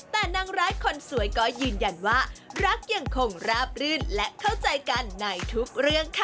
แต่นางร้ายคนสวยก็ยืนยันว่ารักยังคงราบรื่นและเข้าใจกันในทุกเรื่องค่ะ